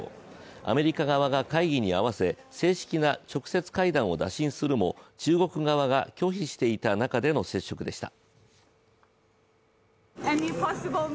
アメリカ側が会議に合わせ正式な直接会談を打診するも中国側が拒否していた中での接触でした。